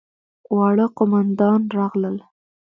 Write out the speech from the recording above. واړه قوماندان راغلل.